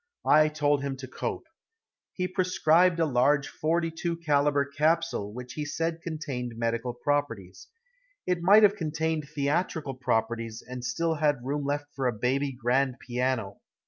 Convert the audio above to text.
I told him to cope. He prescribed a large 42 calibre capsule which he said contained medical properties. It might have contained theatrical properties and still had room left for a baby grand piano.